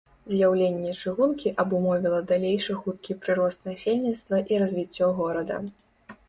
З'яўленне чыгункі абумовіла далейшы хуткі прырост насельніцтва і развіццё горада.